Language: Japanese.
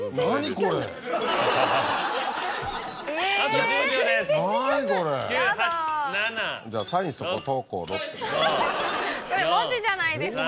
それ文字じゃないですか。